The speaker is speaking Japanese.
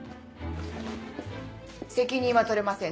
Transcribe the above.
責任は取れません